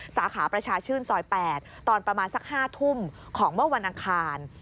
สาขาประชาชื่นซอย๘ตอนประมาณสัก๕ทุ่มของเมื่อวันอังคาร